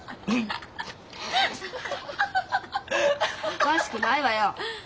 おかしくないわよ。